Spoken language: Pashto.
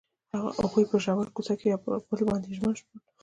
هغوی په ژور کوڅه کې پر بل باندې ژمن شول.